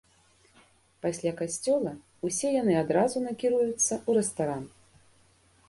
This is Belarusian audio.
Пасля касцёла усе яны адразу накіруюцца ў рэстаран.